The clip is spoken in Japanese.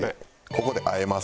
ここで和えます。